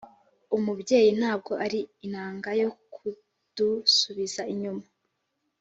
“umubyeyi ntabwo ari inanga yo kudusubiza inyuma,